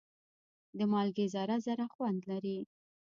د مالګې ذره ذره خوند لري.